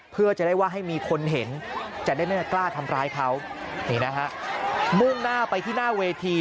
เพื่อจะได้ว่าให้มีคนเห็นจะได้ไม่กล้าทำร้ายเขานี่นะฮะมุ่งหน้าไปที่หน้าเวที